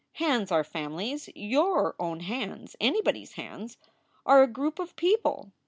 Hands are families. Your own hands anybody s hands are a group of people.